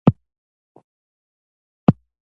د رویال جیلی د څه لپاره وکاروم؟